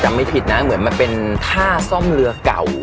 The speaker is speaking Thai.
ไม่ผิดนะเหมือนมันเป็นท่าซ่อมเรือเก่า